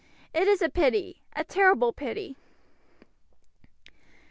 It is a pity, a terrible pity!"